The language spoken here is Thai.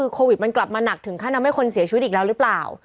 โควิดมันกลับมาหนักถึงขั้นทำให้คนเสียชีวิตอีกแล้วหรือเปล่า